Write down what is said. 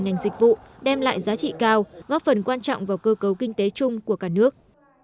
ngành dịch vụ đem lại giá trị cao góp phần quan trọng vào cơ cấu kinh tế chung của cả nước